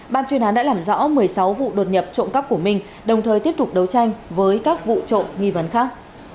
ban chuyên án đã làm rõ một mươi sáu vụ đột nhập trộm cắp của mình đồng thời tiếp tục đấu tranh với các vụ trộm nghi vấn khác